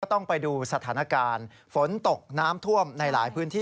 ต้องไปดูสถานการณ์ฝนตกน้ำท่วมในหลายพื้นที่